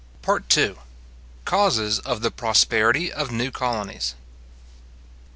PART II. Causes of the Prosperity of New Colonies.